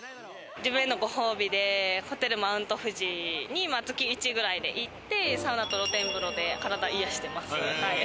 自分へのご褒美でホテルマウント富士に月１くらいで行って、サウナと露天風呂で体を癒やしてます。